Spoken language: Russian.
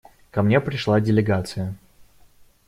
Ко мне пришла делегация.